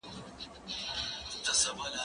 زه به سبا انځور وګورم،